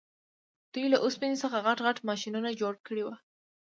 دوی له اوسپنې څخه غټ غټ ماشینونه جوړ کړي وو